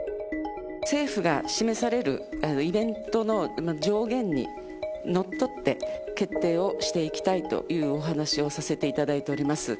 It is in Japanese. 政府が示されるイベントの上限にのっとって決定をしていきたいというお話をさせていただいております。